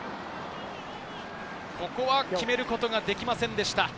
ここは決めることができませんでした。